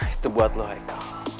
itu buat lo heiko